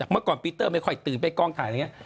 เมื่อก่อนปีเตอร์ไม่ค่อยตื่นไปกองถ่ายอะไรอย่างนี้